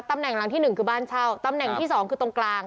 ตำแหน่งหลังที่หนึ่งคือบ้านเช่าตำแหน่งที่สองคือตรงกลาง